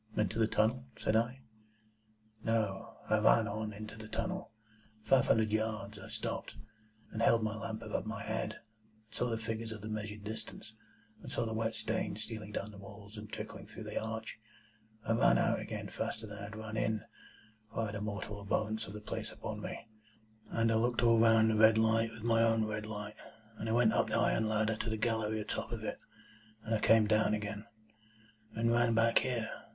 "Into the tunnel?" said I. "No. I ran on into the tunnel, five hundred yards. I stopped, and held my lamp above my head, and saw the figures of the measured distance, and saw the wet stains stealing down the walls and trickling through the arch. I ran out again faster than I had run in (for I had a mortal abhorrence of the place upon me), and I looked all round the red light with my own red light, and I went up the iron ladder to the gallery atop of it, and I came down again, and ran back here.